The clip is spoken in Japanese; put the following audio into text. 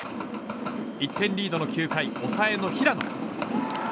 １点リードの９回抑えの平野。